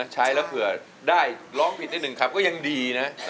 ใช้แล้วเผื่อได้ร้องผิดอีกหนึ่งครับก็ยังดีนะ